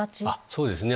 そうですね。